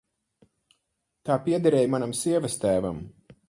Tā piederēja manam sievastēvam.